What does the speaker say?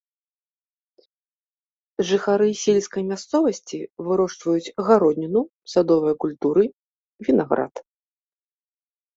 Жыхары сельскай мясцовасці вырошчваюць гародніну, садовыя культуры, вінаград.